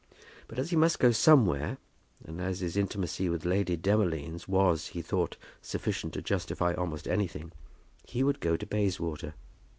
But, as he must go somewhere, and as his intimacy with Lady Demolines was, he thought, sufficient to justify almost anything, he would go to Bayswater.